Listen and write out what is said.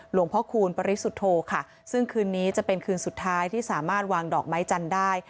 หลวงพ่อคูณปริสุทธโธค่ะซึ่งคืนนี้จะเป็นคืนสุดท้ายที่สามารถวางดอกไม้จันทร์ได้